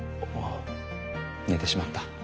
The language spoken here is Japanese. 寝てしまった。